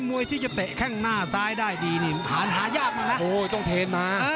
มวยที่จะเตะแค่งหน้าซ้ายได้ดีนี่ภายมาโอ้โหต้องเทน